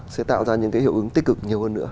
sẽ tạo ra những cái hiệu ứng tích cực nhiều hơn nữa